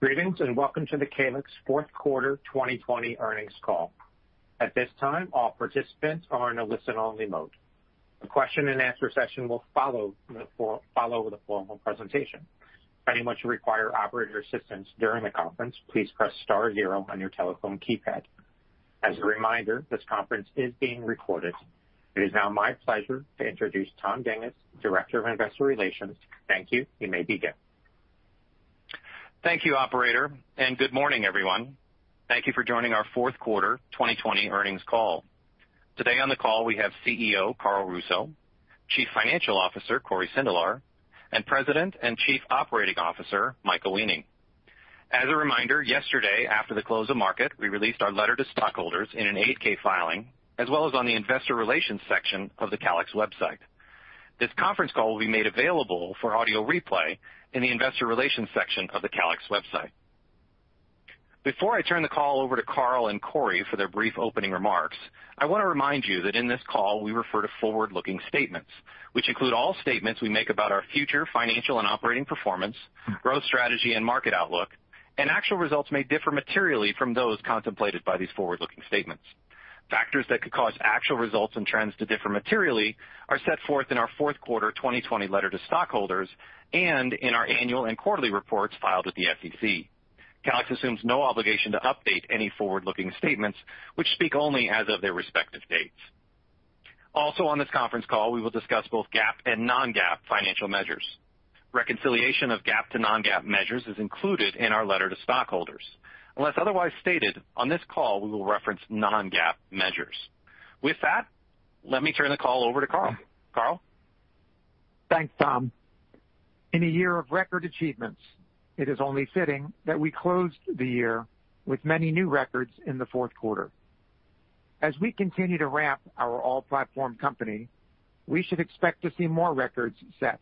Greetings, and welcome to the Calix fourth quarter 2020 earnings call. At this time, all participants are in a listen-only mode. A question and answer session will follow the formal presentation. If at any point you require operator assistance during the conference, please press star zero on your telephone keypad. As a reminder, this conference is being recorded. It is now my pleasure to introduce Tom Dinges, Director of Investor Relations. Thank you. You may begin. Thank you operator. Good morning, everyone. Thank you for joining our fourth quarter 2020 earnings call. Today on the call, we have CEO Carl Russo, Chief Financial Officer Cory Sindelar, and President and Chief Operating Officer Michael Weening. As a reminder, yesterday after the close of market, we released our letter to stockholders in an 8-K filing, as well as on the investor relations section of the Calix website. This conference call will be made available for audio replay in the investor relations section of the Calix website. Before I turn the call over to Carl and Cory for their brief opening remarks, I want to remind you that in this call, we refer to forward-looking statements, which include all statements we make about our future financial and operating performance, growth strategy, and market outlook, and actual results may differ materially from those contemplated by these forward-looking statements. Factors that could cause actual results and trends to differ materially are set forth in our fourth quarter 2020 letter to stockholders and in our annual and quarterly reports filed with the SEC. Calix assumes no obligation to update any forward-looking statements which speak only as of their respective dates. Also, on this conference call, we will discuss both GAAP and non-GAAP financial measures. Reconciliation of GAAP to non-GAAP measures is included in our letter to stockholders. Unless otherwise stated, on this call, we will reference non-GAAP measures. With that, let me turn the call over to Carl. Carl? Thanks, Tom. In a year of record achievements, it is only fitting that we closed the year with many new records in the fourth quarter. As we continue to ramp our all-platform company, we should expect to see more records set,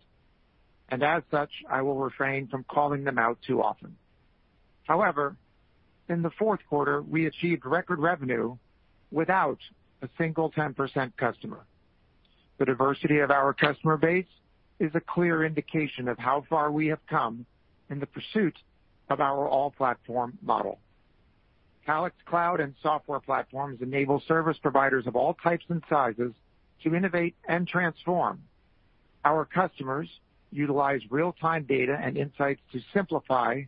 and as such, I will refrain from calling them out too often. However, in the fourth quarter, we achieved record revenue without a single 10% customer. The diversity of our customer base is a clear indication of how far we have come in the pursuit of our all-platform model. Calix Cloud and software platforms enable service providers of all types and sizes to innovate and transform. Our customers utilize real-time data and insights to simplify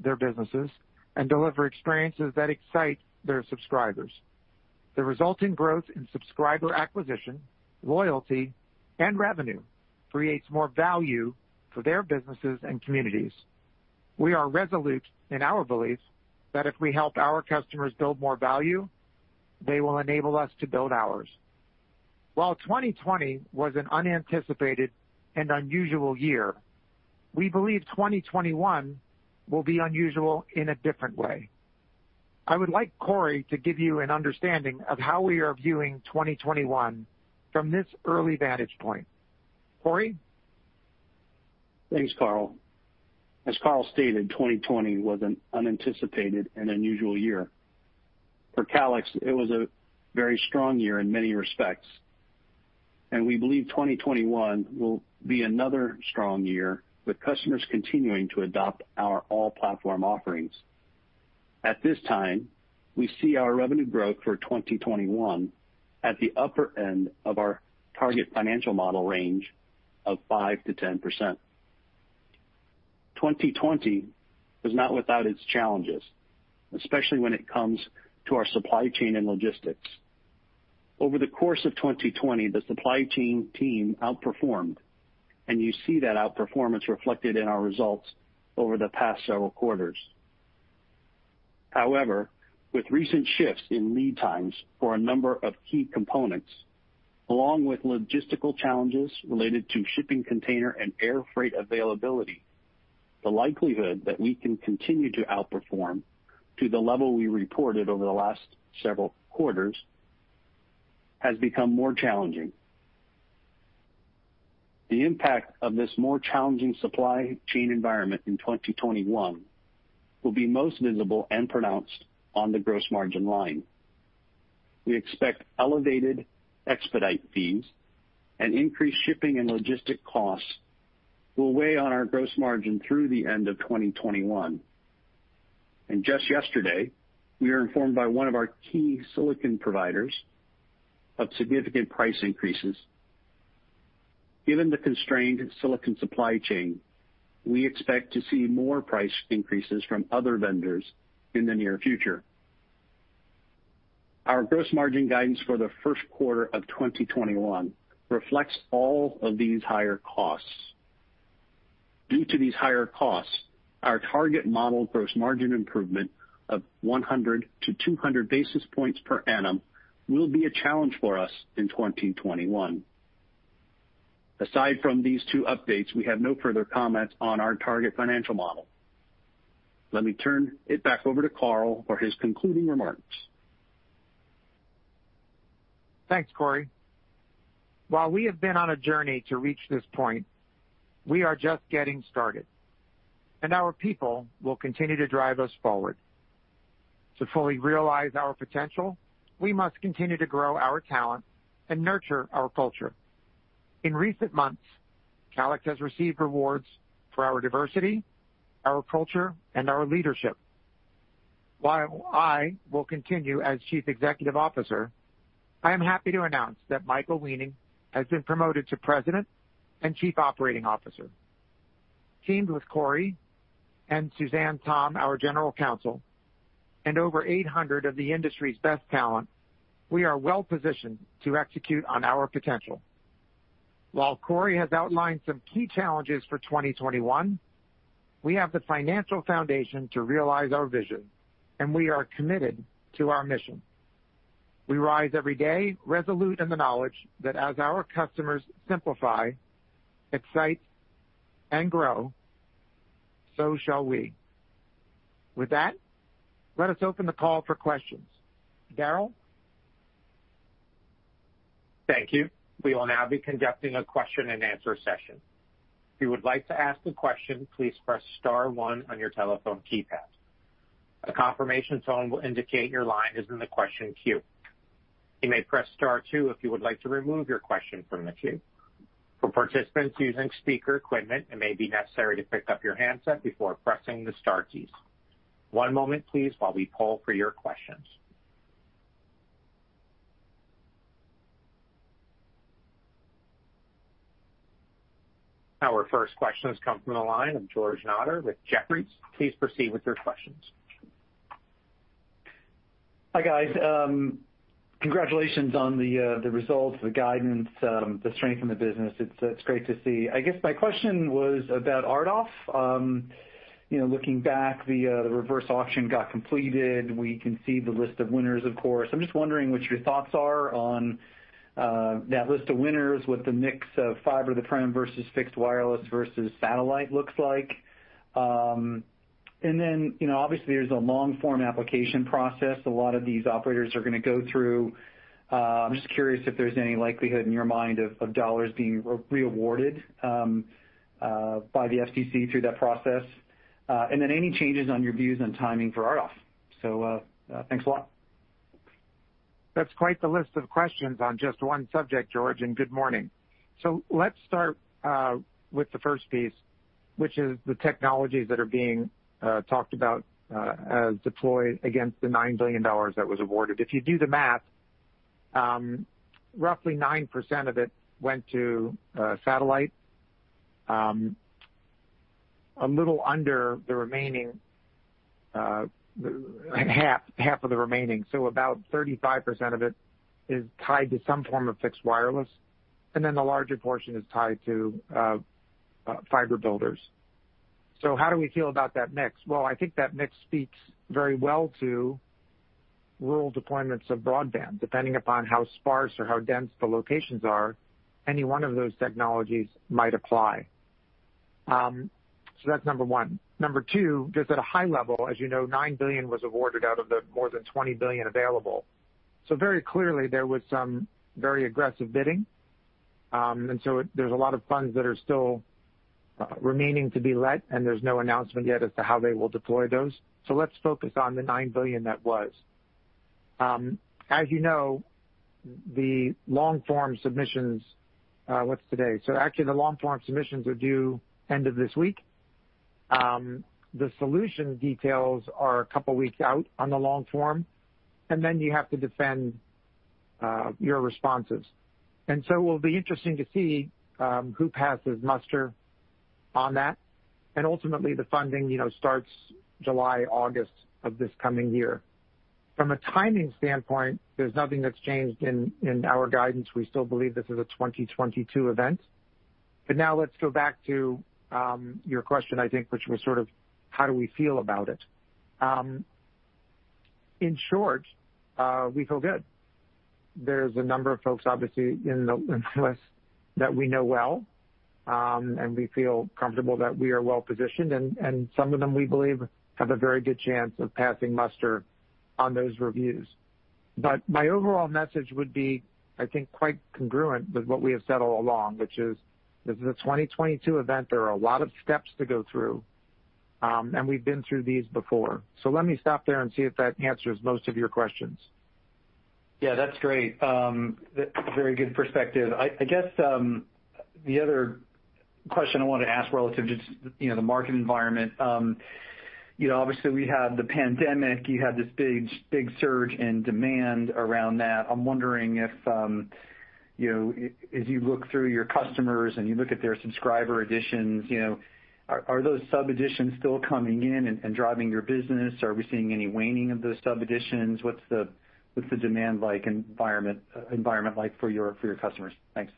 their businesses and deliver experiences that excite their subscribers. The resulting growth in subscriber acquisition, loyalty, and revenue creates more value for their businesses and communities. We are resolute in our belief that if we help our customers build more value, they will enable us to build ours. While 2020 was an unanticipated and unusual year, we believe 2021 will be unusual in a different way. I would like Cory to give you an understanding of how we are viewing 2021 from this early vantage point. Cory? Thanks, Carl. As Carl stated, 2020 was an unanticipated and unusual year. For Calix, it was a very strong year in many respects, and we believe 2021 will be another strong year with customers continuing to adopt our all-platform offerings. At this time, we see our revenue growth for 2021 at the upper end of our target financial model range of 5%-10%. 2020 was not without its challenges, especially when it comes to our supply chain and logistics. Over the course of 2020, the supply chain team outperformed, and you see that outperformance reflected in our results over the past several quarters. However, with recent shifts in lead times for a number of key components, along with logistical challenges related to shipping container and air freight availability, the likelihood that we can continue to outperform to the level we reported over the last several quarters has become more challenging. The impact of this more challenging supply chain environment in 2021 will be most visible and pronounced on the gross margin line. We expect elevated expedite fees and increased shipping and logistic costs will weigh on our gross margin through the end of 2021. Just yesterday, we were informed by one of our key silicon providers of significant price increases. Given the constrained silicon supply chain, we expect to see more price increases from other vendors in the near future. Our gross margin guidance for the first quarter of 2021 reflects all of these higher costs. Due to these higher costs, our target model gross margin improvement of 100 to 200 basis points per annum will be a challenge for us in 2021. Aside from these two updates, we have no further comments on our target financial model. Let me turn it back over to Carl for his concluding remarks. Thanks, Cory. While we have been on a journey to reach this point, we are just getting started, and our people will continue to drive us forward. To fully realize our potential, we must continue to grow our talent and nurture our culture. In recent months, Calix has received awards for our diversity, our culture, and our leadership. While I will continue as Chief Executive Officer, I am happy to announce that Michael Weening has been promoted to President and Chief Operating Officer. Teamed with Cory and Suzanne Tom, our General Counsel, and over 800 of the industry's best talent, we are well positioned to execute on our potential. While Cory has outlined some key challenges for 2021, we have the financial foundation to realize our vision, and we are committed to our mission. We rise every day resolute in the knowledge that as our customers simplify, excite, and grow, so shall we. With that, let us open the call for questions. Daryl? Thank you. We will now be conducting a question and answer session. If you would like to ask a question, please press star one on your telephone keypad. A confirmation tone will indicate your line is in the question queue. You may press star two if you would like to remove your question from the queue. For participants using speaker equipment, it may be necessary to pick up your handset before pressing the star keys. One moment please, while we poll for your questions. Our first question has come from the line of George Notter with Jefferies. Please proceed with your questions. Hi, guys. Congratulations on the results, the guidance, the strength in the business. It's great to see. I guess my question was about RDOF. Looking back, the reverse auction got completed. We can see the list of winners, of course. I'm just wondering what your thoughts are on that list of winners, what the mix of fiber to the prem versus fixed wireless versus satellite looks like. Obviously, there's a long-form application process a lot of these operators are going to go through. I'm just curious if there's any likelihood in your mind of dollars being re-awarded by the FCC through that process. Any changes on your views on timing for RDOF. Thanks a lot. That's quite the list of questions on just one subject, George. Good morning. Let's start with the first piece, which is the technologies that are being talked about as deployed against the $9 billion that was awarded. If you do the math, roughly 9% of it went to satellite. A little under the remaining, half of the remaining, about 35% of it is tied to some form of fixed wireless, the larger portion is tied to fiber builders. How do we feel about that mix? Well, I think that mix speaks very well to rural deployments of broadband. Depending upon how sparse or how dense the locations are, any one of those technologies might apply. That's number one. Number two, just at a high level, as you know, $9 billion was awarded out of the more than $20 billion available. Very clearly there was some very aggressive bidding. There's a lot of funds that are still remaining to be let, and there's no announcement yet as to how they will deploy those. Let's focus on the $9 billion that was. As you know, the long form submissions, what's today? Actually the long form submissions are due end of this week. The solution details are a couple weeks out on the long form, and then you have to defend your responses. It will be interesting to see who passes muster on that. Ultimately the funding starts July, August of this coming year. From a timing standpoint, there's nothing that's changed in our guidance. We still believe this is a 2022 event. Now let's go back to your question, I think, which was sort of how do we feel about it. In short, we feel good. There's a number of folks, obviously, in the list that we know well, and we feel comfortable that we are well positioned, and some of them we believe have a very good chance of passing muster on those reviews. My overall message would be, I think, quite congruent with what we have said all along, which is this is a 2022 event. There are a lot of steps to go through. We've been through these before. Let me stop there and see if that answers most of your questions. Yeah, that's great. Very good perspective. I guess the other question I wanted to ask relative to the market environment. Obviously we have the pandemic, you have this big surge in demand around that. I'm wondering if as you look through your customers and you look at their subscriber additions, are those sub additions still coming in and driving your business? Are we seeing any waning of those sub additions? What's the demand environment like for your customers? Thanks.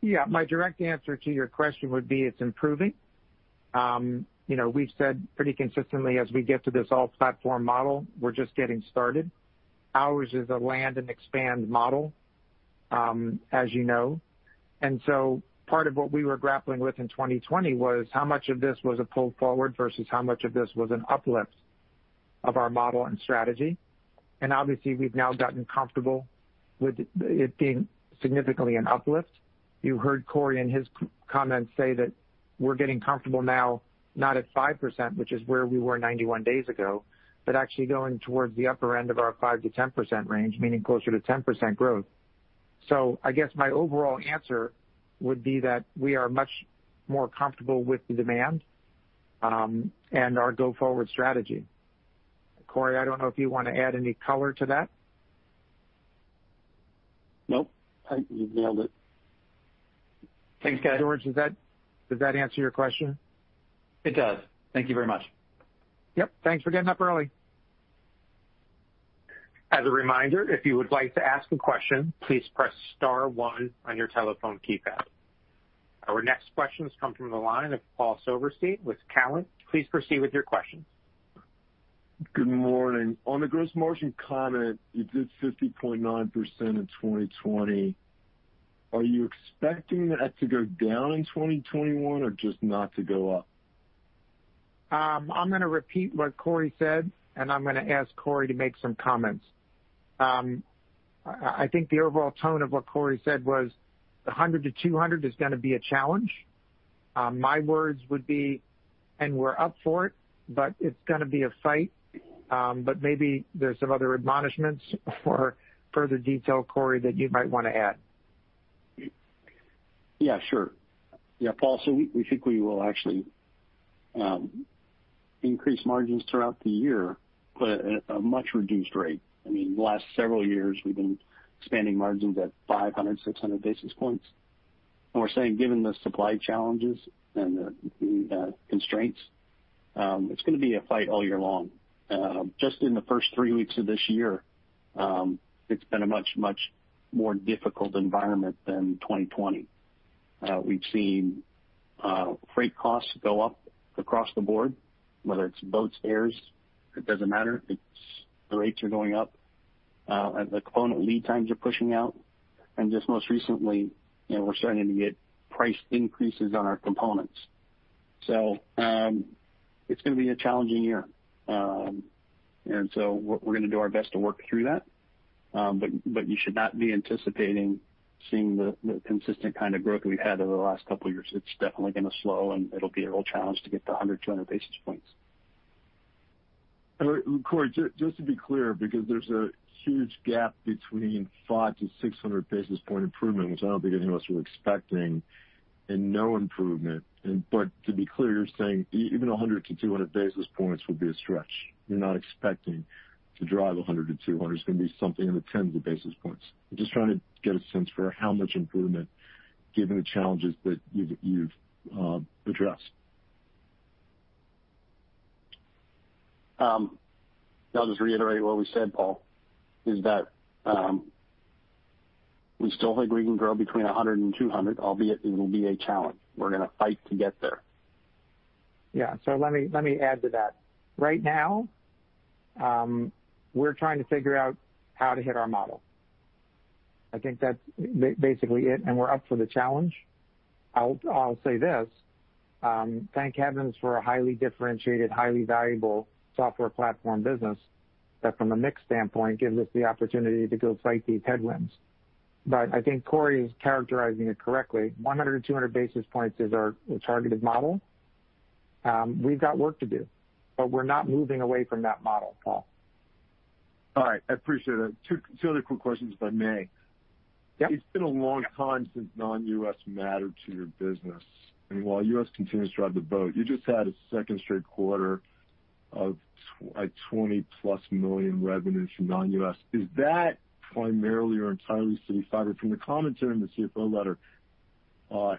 Yeah. My direct answer to your question would be it's improving. We've said pretty consistently as we get to this all platform model, we're just getting started. Ours is a land and expand model, as you know. Part of what we were grappling with in 2020 was how much of this was a pull forward versus how much of this was an uplift of our model and strategy. Obviously, we've now gotten comfortable with it being significantly an uplift. You heard Cory in his comments say that we're getting comfortable now, not at 5%, which is where we were 91 days ago, but actually going towards the upper end of our 5%-10% range, meaning closer to 10% growth. I guess my overall answer would be that we are much more comfortable with the demand, and our go-forward strategy. Cory, I don't know if you want to add any color to that. Nope, I think you nailed it. Thanks, guys. George, does that answer your question? It does. Thank you very much. Yep. Thanks for getting up early. As a reminder, if you would like to ask a question, please press star one on your telephone keypad. Our next questions come from the line of Paul Silverstein with Cowen. Please proceed with your question. Good morning. On the gross margin comment, you did 50.9% in 2020. Are you expecting that to go down in 2021 or just not to go up? I'm going to repeat what Cory said, and I'm going to ask Cory to make some comments. I think the overall tone of what Cory said was 100-200 is going to be a challenge. My words would be, and we're up for it, but it's going to be a fight. Maybe there's some other admonishments or further detail, Cory, that you might want to add. Yeah, sure. Yeah, Paul. We think we will actually increase margins throughout the year, but at a much reduced rate. The last several years, we've been expanding margins at 500, 600 basis points. We're saying given the supply challenges and the constraints, it's going to be a fight all year long. Just in the first three weeks of this year, it's been a much more difficult environment than 2020. We've seen freight costs go up across the board, whether it's boats, airs, it doesn't matter. The rates are going up. The component lead times are pushing out. Just most recently, we're starting to get price increases on our components. It's going to be a challenging year. We're going to do our best to work through that. You should not be anticipating seeing the consistent kind of growth we've had over the last couple of years. It's definitely going to slow, and it'll be a real challenge to get to 100, 200 basis points. Cory, just to be clear, because there's a huge gap between 500 to 600 basis point improvement, which I don't think any of us were expecting, and no improvement. To be clear, you're saying even 100 to 200 basis points would be a stretch. You're not expecting to drive 100 to 200. It's going to be something in the tens of basis points. I'm just trying to get a sense for how much improvement, given the challenges that you've addressed. I'll just reiterate what we said, Paul, is that we still think we can grow between 100 and 200, albeit it will be a challenge. We're going to fight to get there. Yeah. Let me add to that. Right now, we're trying to figure out how to hit our model. I think that's basically it, and we're up for the challenge. I'll say this. Thank heavens for a highly differentiated, highly valuable software platform business that from a mix standpoint, gives us the opportunity to go fight these headwinds. I think Cory is characterizing it correctly. 100-200 basis points is our targeted model. We've got work to do, but we're not moving away from that model, Paul. All right. I appreciate it. Two other quick questions, if I may. Yeah. It's been a long time since non-U.S. mattered to your business. While U.S. continues to drive the boat, you just had a second straight quarter of $20+ million revenues from non-U.S. Is that primarily or entirely CityFibre? From the commentary in the CFO letter,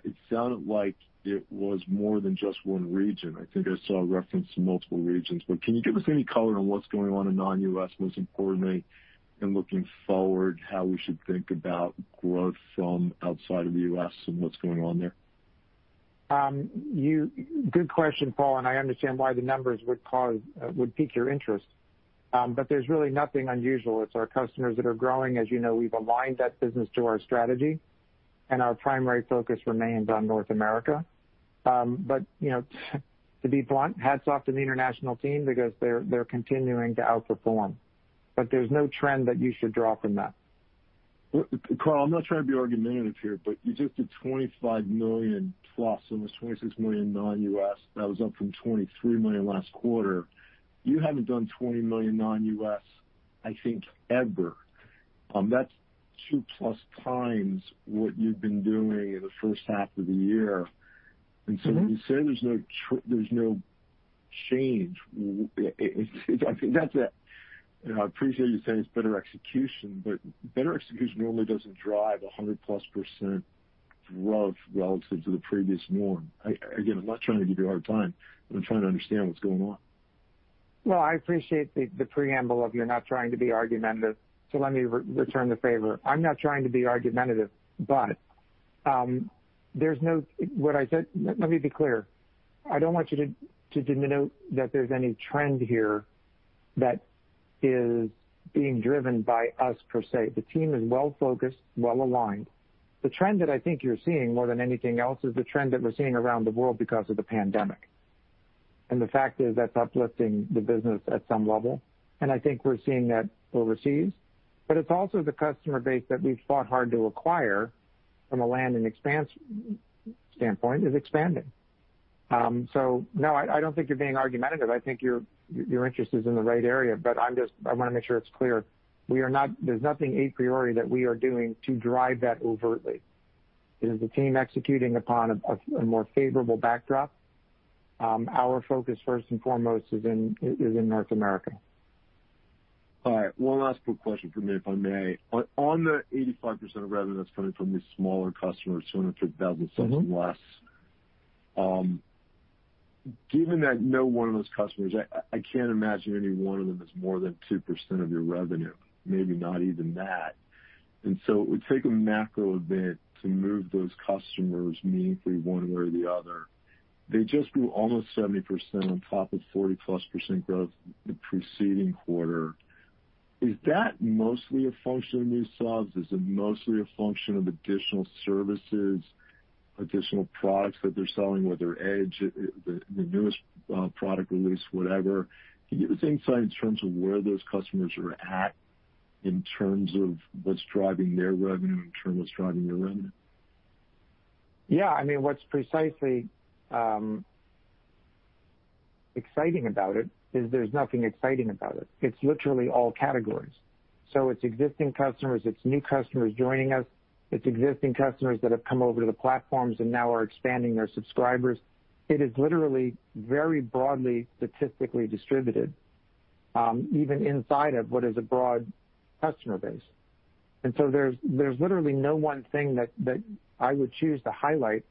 it sounded like it was more than just one region. I think I saw a reference to multiple regions. Can you give us any color on what's going on in non-U.S., most importantly, and looking forward, how we should think about growth from outside of the U.S. and what's going on there? Good question, Paul. I understand why the numbers would pique your interest. There's really nothing unusual. It's our customers that are growing. As you know, we've aligned that business to our strategy, and our primary focus remains on North America. To be blunt, hats off to the international team because they're continuing to outperform. There's no trend that you should draw from that. Carl, I'm not trying to be argumentative here. You just did $25 million plus, almost $26 million non-U.S. That was up from $23 million last quarter. You haven't done $20 million non-U.S., I think, ever. That's two-plus times what you've been doing in the first half of the year. When you say there's no change, I appreciate you saying it's better execution, but better execution really doesn't drive 100%+ growth relative to the previous norm. Again, I'm not trying to give you a hard time, but I'm trying to understand what's going on. Well, I appreciate the preamble of you're not trying to be argumentative, let me return the favor. I'm not trying to be argumentative, let me be clear. I don't want you to denote that there's any trend here that is being driven by us, per se. The team is well-focused, well-aligned. The trend that I think you're seeing more than anything else is the trend that we're seeing around the world because of the pandemic, the fact is that's uplifting the business at some level, and I think we're seeing that overseas. It's also the customer base that we've fought hard to acquire from a land-and-expand standpoint is expanding. No, I don't think you're being argumentative. I think your interest is in the right area. I want to make sure it's clear, there's nothing a priori that we are doing to drive that overtly. It is the team executing upon a more favorable backdrop. Our focus, first and foremost, is in North America. All right, one last quick question from me, if I may. On the 85% of revenue that's coming from these smaller customers, 250,000 subs or less, given that no one of those customers, I can't imagine any one of them is more than 2% of your revenue, maybe not even that. It would take a macro event to move those customers meaningfully one way or the other. They just grew almost 70% on top of 40%+ growth the preceding quarter. Is that mostly a function of new subs? Is it mostly a function of additional services, additional products that they're selling with their Edge, the newest product release, whatever? Can you give us insight in terms of where those customers are at in terms of what's driving their revenue, in terms of what's driving your revenue? Yeah. What's precisely exciting about it is there's nothing exciting about it. It's literally all categories. It's existing customers, it's new customers joining us, it's existing customers that have come over to the platforms and now are expanding their subscribers. It is literally very broadly statistically distributed, even inside of what is a broad customer base. There's literally no one thing that I would choose to highlight.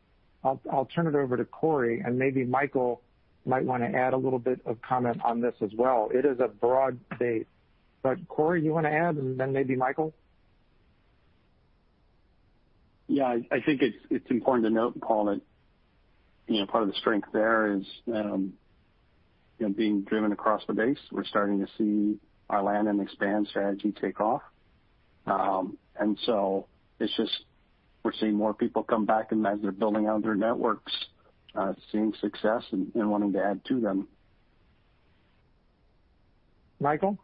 I'll turn it over to Cory, and maybe Michael might want to add a little bit of comment on this as well. It is a broad base. Cory, you want to add, and then maybe Michael? Yeah. I think it's important to note, Paul, that part of the strength there is being driven across the base. We're starting to see our land-and-expand strategy take off. We're seeing more people come back and as they're building out their networks, seeing success and wanting to add to them. Michael?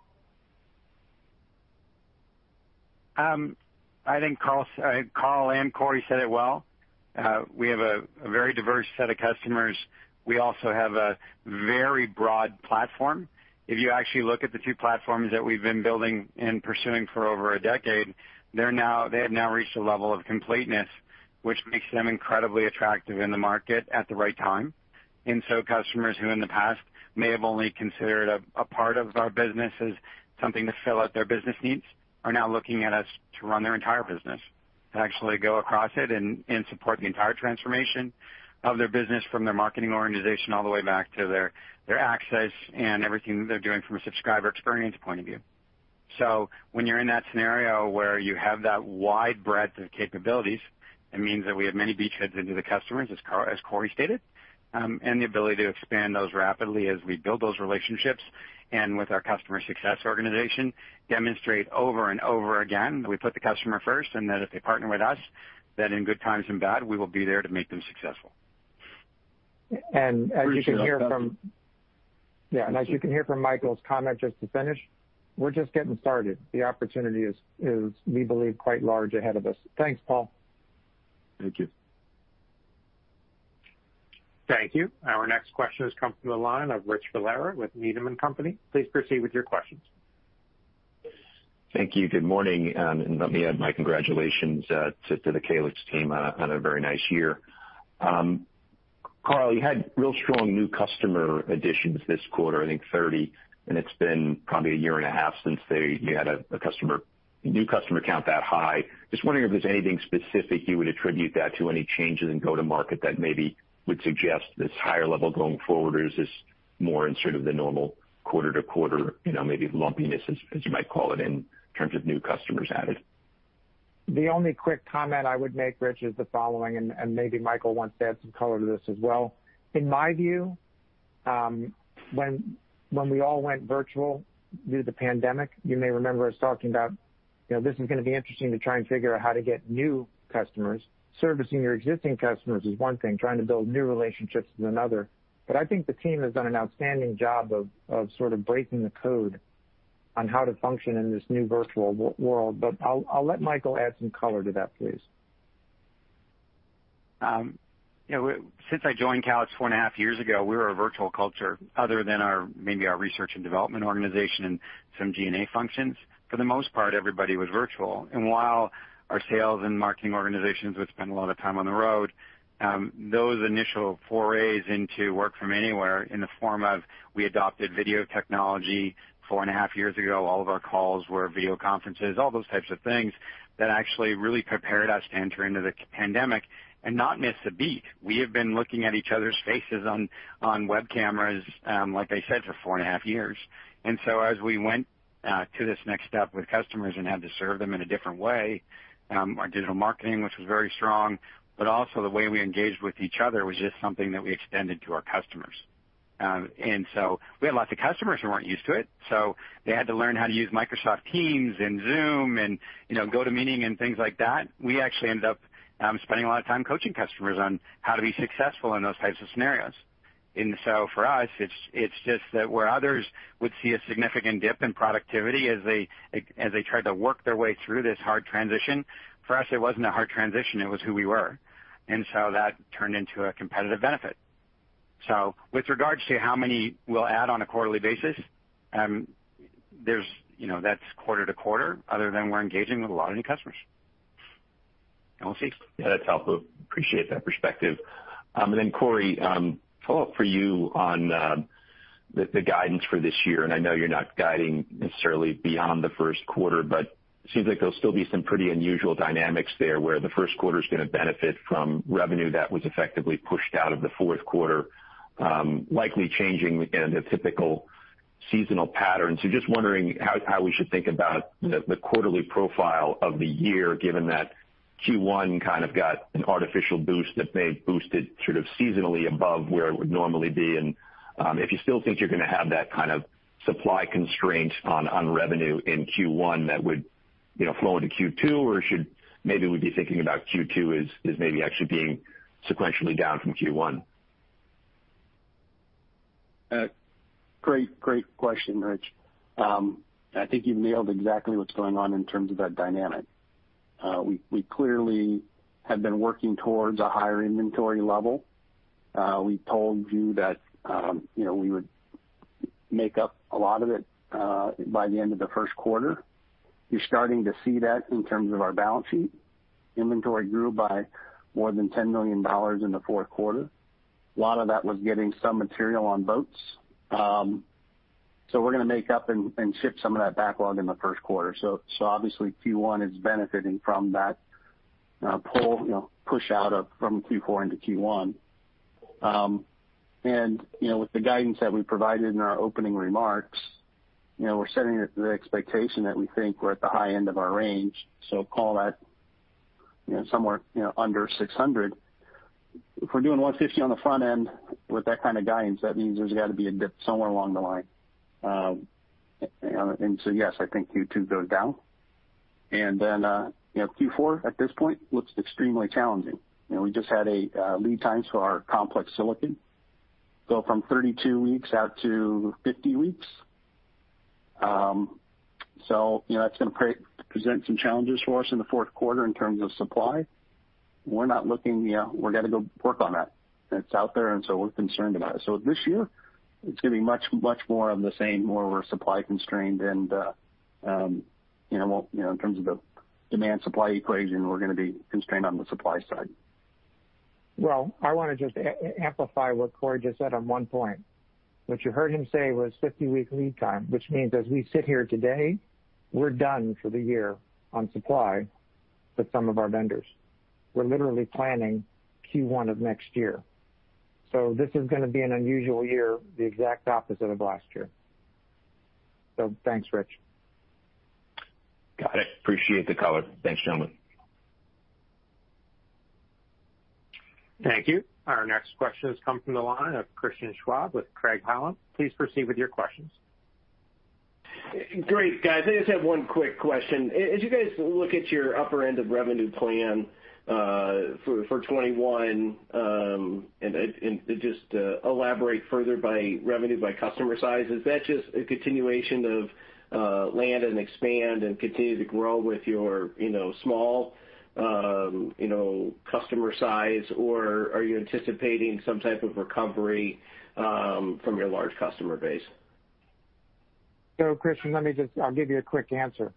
I think Carl and Cory said it well. We have a very diverse set of customers. We also have a very broad platform. If you actually look at the two platforms that we've been building and pursuing for over a decade, they have now reached a level of completeness, which makes them incredibly attractive in the market at the right time. Customers who in the past may have only considered a part of our business as something to fill out their business needs, are now looking at us to run their entire business, to actually go across it and support the entire transformation of their business from their marketing organization, all the way back to their access and everything that they're doing from a subscriber experience point of view. When you're in that scenario where you have that wide breadth of capabilities, it means that we have many beachheads into the customers, as Cory stated, and the ability to expand those rapidly as we build those relationships. With our customer success organization, demonstrate over and over again that we put the customer first, and that if they partner with us, that in good times and bad, we will be there to make them successful. And as you can hear from- Appreciate that. Yeah, as you can hear from Michael's comment just to finish, we're just getting started. The opportunity is, we believe, quite large ahead of us. Thanks, Paul. Thank you. Thank you. Our next question has come from the line of Rich Valera with Needham and Company. Please proceed with your questions. Thank you. Good morning, and let me add my congratulations to the Calix team on a very nice year. Carl, you had real strong new customer additions this quarter, I think 30, and it's been probably a year and a half since you had a new customer count that high. Just wondering if there's anything specific you would attribute that to, any changes in go-to-market that maybe would suggest this higher level going forward, or is this more in sort of the normal quarter-to-quarter, maybe lumpiness, as you might call it, in terms of new customers added? The only quick comment I would make, Rich, is the following, and maybe Michael wants to add some color to this as well. In my view, when we all went virtual due to the pandemic, you may remember us talking about, this is going to be interesting to try and figure out how to get new customers. Servicing your existing customers is one thing. Trying to build new relationships is another. I think the team has done an outstanding job of sort of breaking the code on how to function in this new virtual world. I'll let Michael add some color to that, please. Since I joined Calix four and a half years ago, we were a virtual culture other than maybe our research and development organization and some G&A functions. For the most part, everybody was virtual. While our sales and marketing organizations would spend a lot of time on the road, those initial forays into work from anywhere in the form of, we adopted video technology four and a half years ago. All of our calls were video conferences, all those types of things that actually really prepared us to enter into the pandemic and not miss a beat. We have been looking at each other's faces on web cameras, like I said, for four and a half years. As we went to this next step with customers and had to serve them in a different way, our digital marketing, which was very strong, but also the way we engaged with each other, was just something that we extended to our customers. We had lots of customers who weren't used to it, so they had to learn how to use Microsoft Teams and Zoom and GoToMeeting and things like that. We actually ended up spending a lot of time coaching customers on how to be successful in those types of scenarios. For us, it's just that where others would see a significant dip in productivity as they tried to work their way through this hard transition, for us, it wasn't a hard transition, it was who we were. That turned into a competitive benefit. With regards to how many we'll add on a quarterly basis, that's quarter-to-quarter, other than we're engaging with a lot of new customers. We'll see. Yeah, that's helpful. Appreciate that perspective. Then Cory Sindelar, a follow-up for you on the guidance for this year, and I know you're not guiding necessarily beyond the first quarter, but it seems like there'll still be some pretty unusual dynamics there, where the first quarter's going to benefit from revenue that was effectively pushed out of the fourth quarter, likely changing again, the typical seasonal pattern. Just wondering how we should think about the quarterly profile of the year given that Q1 kind of got an artificial boost that may have boosted sort of seasonally above where it would normally be, and if you still think you're going to have that kind of supply constraint on revenue in Q1 that would flow into Q2, or should maybe we be thinking about Q2 as maybe actually being sequentially down from Q1? Great question, Rich. I think you've nailed exactly what's going on in terms of that dynamic. We clearly have been working towards a higher inventory level. We told you that we would make up a lot of it by the end of the first quarter. You're starting to see that in terms of our balance sheet. Inventory grew by more than $10 million in the fourth quarter. A lot of that was getting some material on boats. We're going to make up and ship some of that backlog in the first quarter. Obviously, Q1 is benefiting from that pull, push out from Q4 into Q1. With the guidance that we provided in our opening remarks, we're setting the expectation that we think we're at the high end of our range. Call that somewhere under $600. If we're doing 150 on the front end with that kind of guidance, that means there's got to be a dip somewhere along the line. Yes, I think Q2 goes down. Q4 at this point looks extremely challenging. We just had lead times for our complex silicon go from 32 weeks out to 50 weeks. That's going to present some challenges for us in the fourth quarter in terms of supply. We're going to go work on that. It's out there, we're concerned about it. This year, it's going to be much more of the same, more we're supply constrained and in terms of the demand-supply equation, we're going to be constrained on the supply side. Well, I want to just amplify what Cory just said on one point. What you heard him say was 50-week lead time, which means as we sit here today, we're done for the year on supply with some of our vendors. We're literally planning Q1 of next year. This is going to be an unusual year, the exact opposite of last year. Thanks, Rich. Got it. Appreciate the color. Thanks, gentlemen. Thank you. Our next question has come from the line of Christian Schwab with Craig-Hallum. Please proceed with your questions. Great, guys. I just have one quick question. As you guys look at your upper end of revenue plan for 2021, and just to elaborate further by revenue by customer size, is that just a continuation of land and expand and continue to grow with your small customer size, or are you anticipating some type of recovery from your large customer base? Christian, I'll give you a quick answer.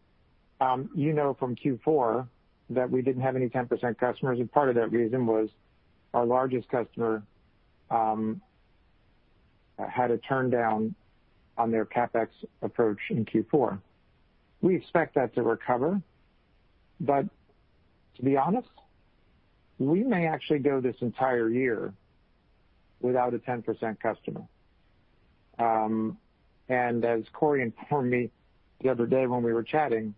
You know from Q4 that we didn't have any 10% customers, and part of that reason was our largest customer had a turndown on their CapEx approach in Q4. We expect that to recover, but to be honest, we may actually go this entire year without a 10% customer. As Cory informed me the other day when we were chatting,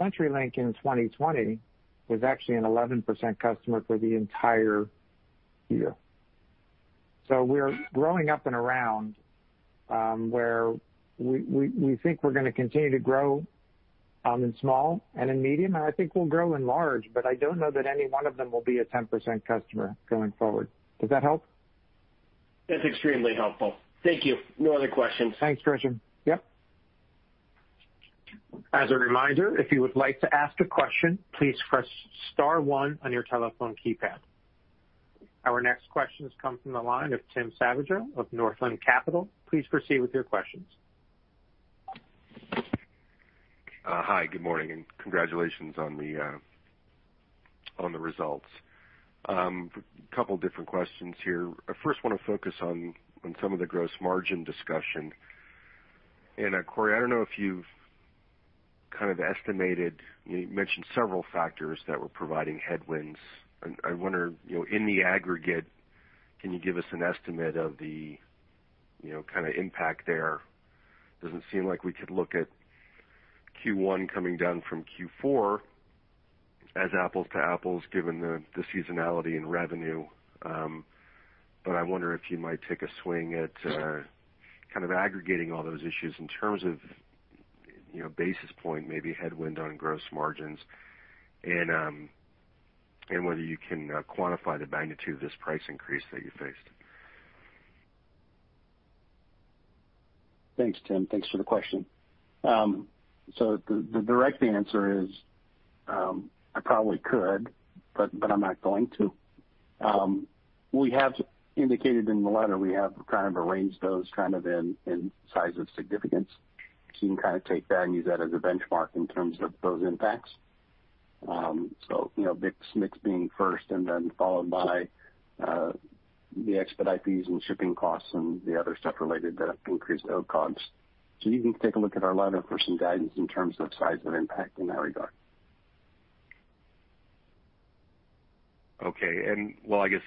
CenturyLink in 2020 was actually an 11% customer for the entire year. We're growing up and around, where we think we're going to continue to grow in small and in medium, and I think we'll grow in large, but I don't know that any one of them will be a 10% customer going forward. Does that help? That's extremely helpful. Thank you. No other questions. Thanks, Christian. Yep. As a reminder, if you would like to ask a question, please press star one on your telephone keypad. Our next question has come from the line of Tim Savageaux of Northland Capital. Please proceed with your questions. Hi, good morning, and congratulations on the results. Couple different questions here. I first want to focus on some of the gross margin discussion. Cory, I don't know if you've kind of estimated, you mentioned several factors that were providing headwinds. I wonder, in the aggregate, can you give us an estimate of the kind of impact there? Doesn't seem like we could look at Q1 coming down from Q4 as apples to apples, given the seasonality in revenue. I wonder if you might take a swing at kind of aggregating all those issues in terms of-basis point, maybe headwind on gross margins, and whether you can quantify the magnitude of this price increase that you faced. Thanks, Tim. Thanks for the question. The direct answer is, I probably could, but I'm not going to. We have indicated in the CFO letter, we have kind of arranged those in size of significance. You can take that and use that as a benchmark in terms of those impacts. Mix being first, and then followed by the expedite fees and shipping costs and the other stuff related that increased our costs. You can take a look at our CFO letter for some guidance in terms of size and impact in that regard. Okay. Well, I guess,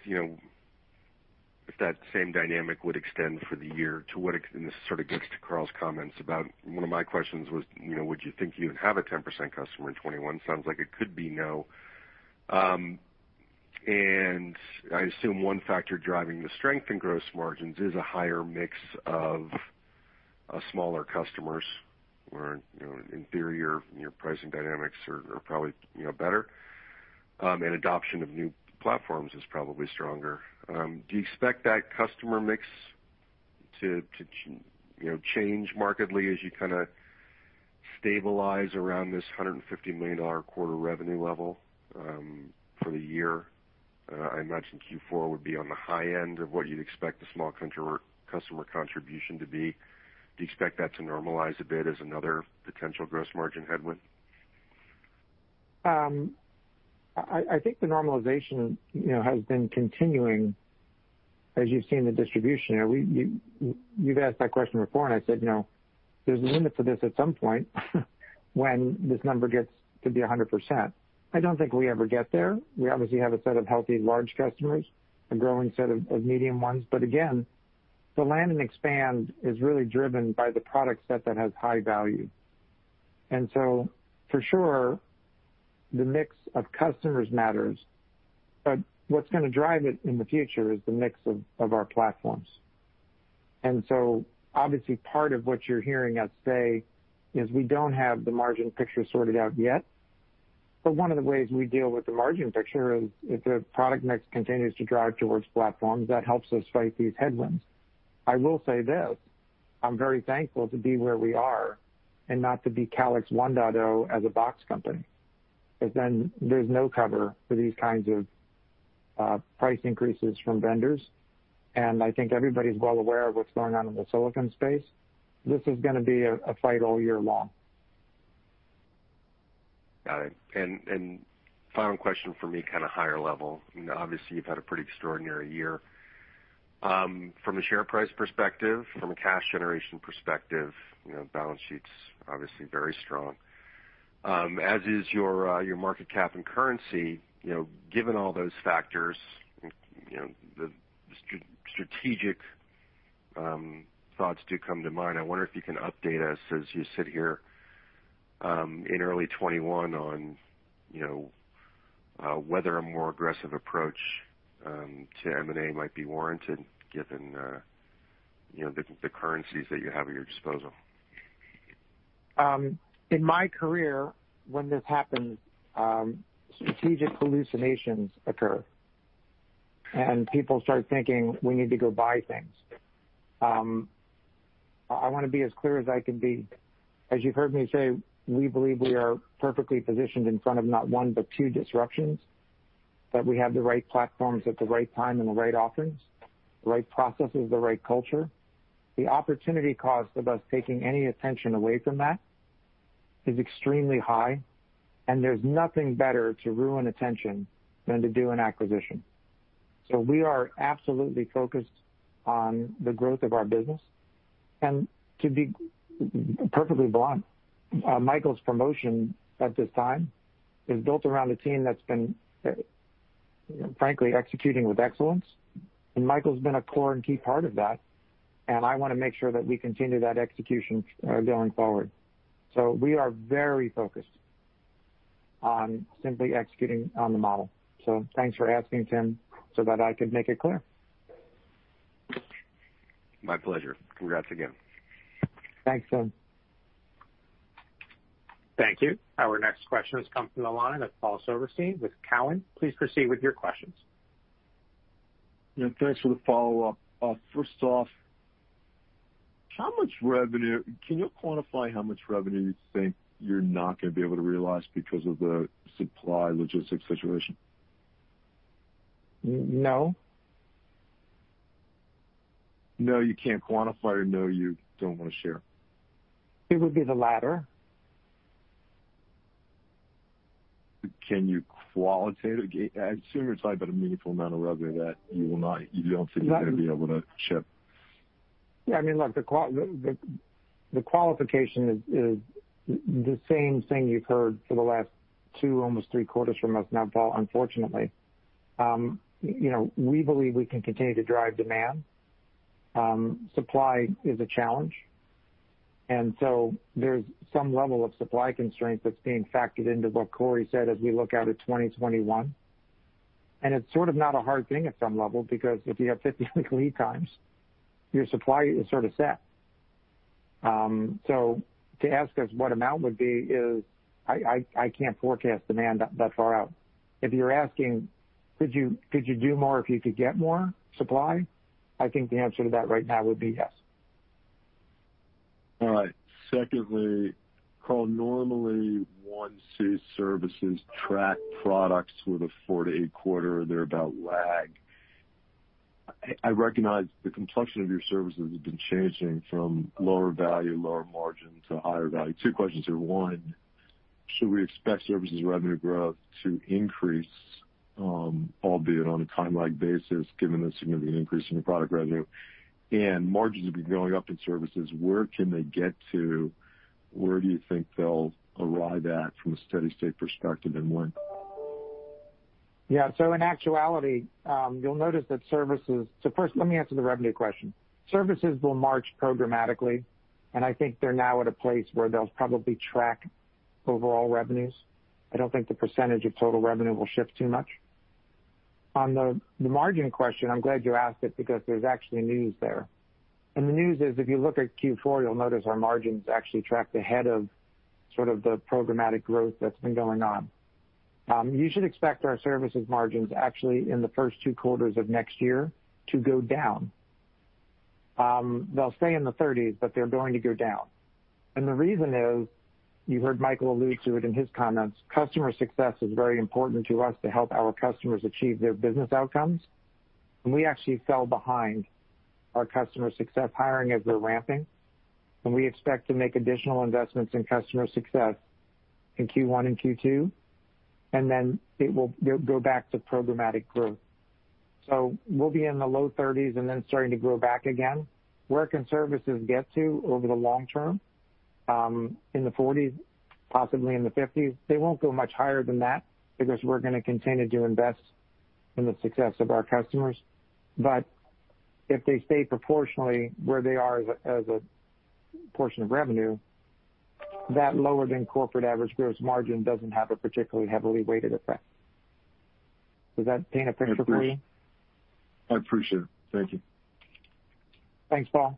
if that same dynamic would extend for the year to what extent this sort of gets to Carl's comments about one of my questions was, would you think you would have a 10% customer in 2021? Sounds like it could be no. I assume one factor driving the strength in gross margins is a higher mix of smaller customers where, in theory, your pricing dynamics are probably better, and adoption of new platforms is probably stronger. Do you expect that customer mix to change markedly as you kind of stabilize around this $150 million quarter revenue level for the year? I imagine Q4 would be on the high end of what you'd expect the small customer contribution to be. Do you expect that to normalize a bit as another potential gross margin headwind? I think the normalization has been continuing as you've seen the distribution. You've asked that question before. I said, there's a limit to this at some point when this number gets to be 100%. I don't think we ever get there. We obviously have a set of healthy large customers, a growing set of medium ones. Again, the land and expand is really driven by the product set that has high value. For sure, the mix of customers matters. What's gonna drive it in the future is the mix of our platforms. Obviously, part of what you're hearing us say is we don't have the margin picture sorted out yet. One of the ways we deal with the margin picture is if the product mix continues to drive towards platforms, that helps us fight these headwinds. I will say this, I'm very thankful to be where we are and not to be Calix 1.0 as a box company. There's no cover for these kinds of price increases from vendors, and I think everybody's well aware of what's going on in the silicon space. This is gonna be a fight all year long. Got it. Final question from me, kind of higher level. Obviously, you've had a pretty extraordinary year. From a share price perspective, from a cash generation perspective, balance sheet's obviously very strong. As is your market cap and currency, given all those factors, the strategic thoughts do come to mind. I wonder if you can update us as you sit here, in early 2021 on whether a more aggressive approach to M&A might be warranted given the currencies that you have at your disposal. In my career, when this happens, strategic hallucinations occur, and people start thinking we need to go buy things. I want to be as clear as I can be. As you've heard me say, we believe we are perfectly positioned in front of not one, but two disruptions, that we have the right platforms at the right time and the right offerings, the right processes, the right culture. The opportunity cost of us taking any attention away from that is extremely high, and there's nothing better to ruin attention than to do an acquisition. We are absolutely focused on the growth of our business. To be perfectly blunt, Michael's promotion at this time is built around a team that's been, frankly, executing with excellence, and Michael's been a core and key part of that, and I want to make sure that we continue that execution going forward. We are very focused on simply executing on the model. Thanks for asking, Tim, so that I could make it clear. My pleasure. Congrats again. Thanks, Tim. Thank you. Our next question has come from the line of Paul Silverstein with Cowen. Please proceed with your questions. Yeah. Thanks for the follow-up. First off, can you quantify how much revenue you think you're not gonna be able to realize because of the supply logistics situation? No. No, you can't quantify, or no, you don't want to share? It would be the latter. Can you I assume you're talking about a meaningful amount of revenue. You're gonna be able to ship. Yeah. Look, the qualification is the same thing you've heard for the last two, almost three quarters from us now, Paul, unfortunately. We believe we can continue to drive demand. Supply is a challenge, there's some level of supply constraint that's being factored into what Cory said as we look out at 2021. It's sort of not a hard thing at some level, because if you have 50-week lead times, your supply is sort of set. To ask us what amount would be, I can't forecast demand that far out. If you're asking, "Could you do more if you could get more supply?" I think the answer to that right now would be yes. All right. Secondly, Carl, normally 1C services track products with a four to eight quarter, they're about lag. I recognize the complexion of your services has been changing from lower value, lower margin to higher value. Two questions here. One, should we expect services revenue growth to increase, albeit on a time-like basis, given the significant increase in the product revenue? Margins will be going up in services, where can they get to? Where do you think they'll arrive at from a steady state perspective and when? In actuality, you'll notice that. First, let me answer the revenue question. Services will march programmatically, and I think they're now at a place where they'll probably track overall revenues. I don't think the percentage of total revenue will shift too much. On the margin question, I'm glad you asked it because there's actually news there. The news is, if you look at Q4, you'll notice our margins actually tracked ahead of sort of the programmatic growth that's been going on. You should expect our services margins actually in the first two quarters of next year to go down. They'll stay in the 30s, but they're going to go down. The reason is, you heard Michael allude to it in his comments, customer success is very important to us to help our customers achieve their business outcomes. We actually fell behind our customer success hiring as we're ramping. We expect to make additional investments in customer success in Q1 and Q2, and then it will go back to programmatic growth. We'll be in the low 30s and then starting to grow back again. Where can services get to over the long term? In the 40s, possibly in the 50s. They won't go much higher than that because we're gonna continue to invest in the success of our customers. If they stay proportionally where they are as a portion of revenue, that lower-than-corporate average gross margin doesn't have a particularly heavily weighted effect. Does that paint a picture for you? I appreciate it. Thank you. Thanks, Paul.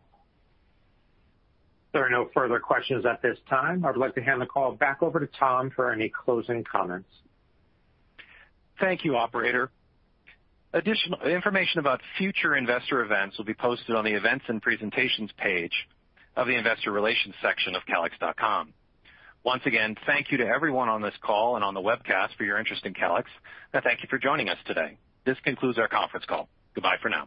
There are no further questions at this time. I would like to hand the call back over to Tom for any closing comments. Thank you, operator. Information about future investor events will be posted on the Events and Presentations page of the investor relations section of calix.com. Once again, thank you to everyone on this call and on the webcast for your interest in Calix. Thank you for joining us today. This concludes our conference call. Goodbye for now.